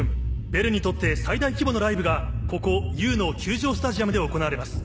ベルにとって最大規模のライブがここＵの球状スタジアムで行われます。